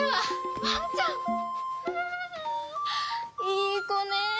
いい子ねえ。